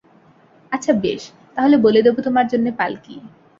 আচ্ছা বেশ, তা হলে বলে দেব তোমার জন্যে পালকি।